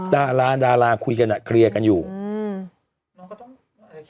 ดาราดาราคุยกันอ่ะเคลียร์กันอยู่อืม